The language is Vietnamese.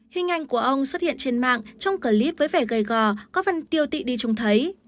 hình ảnh của ông xuất hiện trên mạng trong clip với vẻ gầy gò có phần tiêu tị đi chung thấy